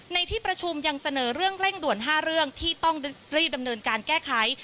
ในที่ประชุมยังเสนอเรื่องเร่งด่วน๕เรื่องที่ต้องรีบดำเนินการแก้ไข